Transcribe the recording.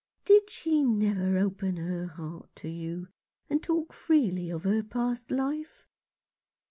"Did she never open her heart to you, and talk freely of her past life